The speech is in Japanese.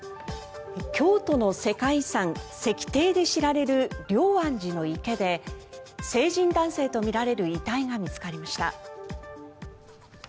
京都の世界遺産、石庭で知られる龍安寺の池で成人男性とみられる遺体が見つかりました。